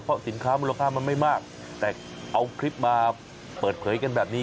เพราะสินค้ามูลค่ามันไม่มากแต่เอาคลิปมาเปิดเผยกันแบบนี้